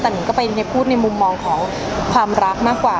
แต่นิงก็ไปพูดในมุมมองของความรักมากกว่า